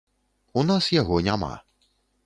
У нас яго няма.